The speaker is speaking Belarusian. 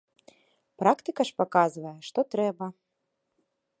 Практыка ж паказвае, што трэба.